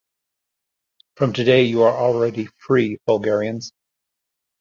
From today you are already free Bulgarians!